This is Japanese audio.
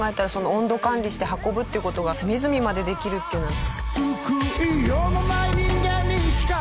温度管理して運ぶっていう事が隅々までできるっていうのは。